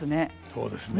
そうですね。